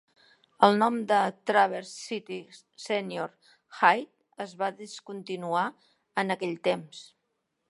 El nom de Traverse City Senior High es va discontinuar en aquell temps.